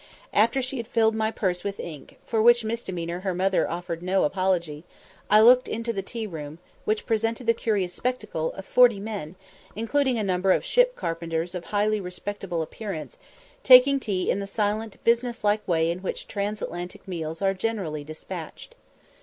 After she had filled my purse with ink, for which misdemeanour her mother offered no apology, I looked into the tea room, which presented the curious spectacle of forty men, including a number of ship carpenters of highly respectable appearance, taking tea in the silent, business like way in which Transatlantic meals are generally despatched.